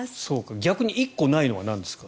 逆に１個ないのはなんですか？